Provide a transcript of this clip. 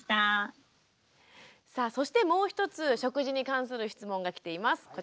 さあそしてもう一つ食事に関する質問が来ています。